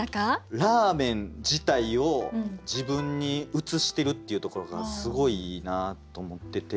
ラーメン自体を自分に映してるっていうところがすごいいいなと思ってて。